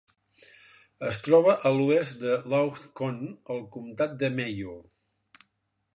Es troba a l'oest de Lough Conn al comtat de Mayo.